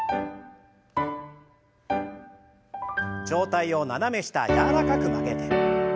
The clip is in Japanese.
上体を斜め下柔らかく曲げて。